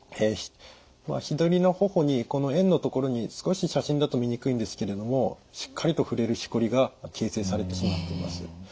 左の頬にこの円の所に少し写真だと見にくいんですけれどもしっかりと触れるしこりが形成されてしまっています。